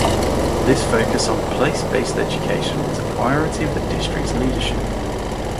This focus on Place-Based Education is a priority of the district's leadership.